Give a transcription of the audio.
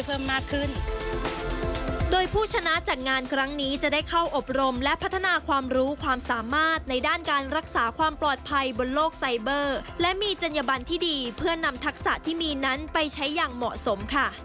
เพิ่มมากขึ้นโดยผู้ชนะจากงานครั้งนี้จะได้เข้าอบรมและพัฒนาความรู้ความสามารถในด้านการรักษาความปลอดภัยบนโลกไซเบอร์และมีจัญญบันที่ดีเพื่อนำทักษะที่มีนั้นไปใช้อย่างเหมาะสมค่ะ